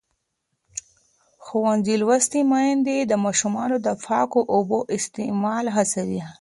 ښوونځې لوستې میندې د ماشومانو د پاکو اوبو استعمال هڅوي.